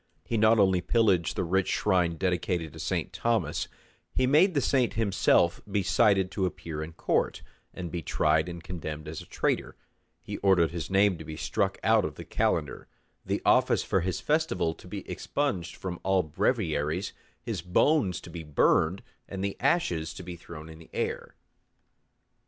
He not only pillaged the rich shrine dedicated to St. Thomas; he made the saint himself be cited to appear in court, and be tried and condemned as a traitor: he ordered his name to be struck out of the calendar; the office for his festival to be expunged from all breviaries; his bones to be burned, and the ashes to be thrown in the air.